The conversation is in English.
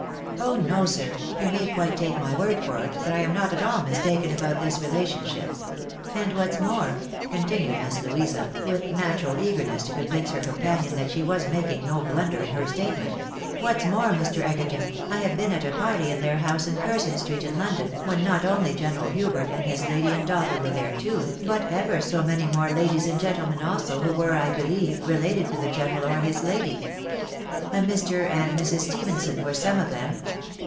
" Oh no, sir, you may quite take my word for it, that I'm not at aU mistaken about this relationship. And what's more," con tinued Miss Louisa, with natural eagerness to convince her com panion that she was making no blunder in her statement, " what's more, Mr. Egerton, I have been at a party in their house in Curzon street, in London, when not only General Hubert and Ms lady and daughter were there too, but ever so many more ladies and gentle men also, who were, I believe, related to the general or his lady. A Mr. and Mrs. Stephenson were some of them.